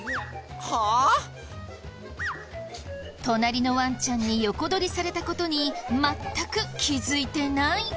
隣のワンちゃんに横取りされた事に全く気づいてない。